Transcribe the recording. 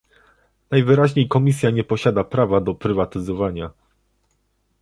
Najwyraźniej Komisja nie posiada prawa do prywatyzowania